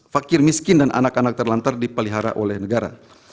fakir miskin dan anak anak terlantar dipelihara oleh negara